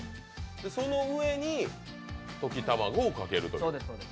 そのうえに溶き卵をかけるという。